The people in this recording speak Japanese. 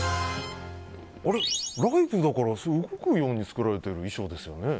ライブだから動くように作られている衣装ですよね。